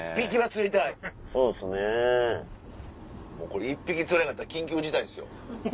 これ１匹釣れなかったら緊急事態ですよ。